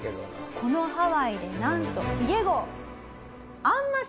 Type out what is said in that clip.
このハワイでなんと髭号。